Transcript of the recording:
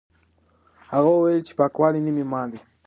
هغه وویل چې پاکوالی نیم ایمان دی.